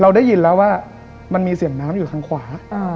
ได้ยินแล้วว่ามันมีเสียงน้ำอยู่ทางขวา